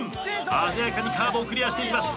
鮮やかにカーブをクリアしていきます。